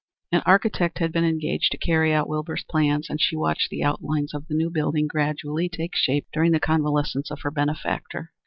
An architect had been engaged to carry out Wilbur's plans, and she watched the outlines of the new building gradually take shape during the convalescence of her benefactor.